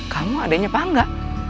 kamu adanya pak angga